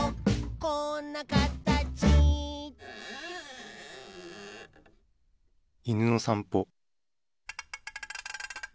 「こんなかたち」いぬのさんぽ。